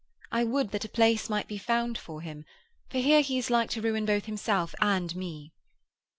I would that a place might be found for him, for here he is like to ruin both himself and me.'